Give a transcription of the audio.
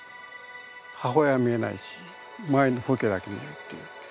母親は見えないし周りの風景だけ見えるっていう。